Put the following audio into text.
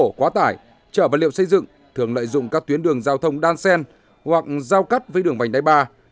quá khổ quá tải chở vật liệu xây dựng thường lợi dụng các tuyến đường giao thông đan sen hoặc giao cắt với đường vành đáy ba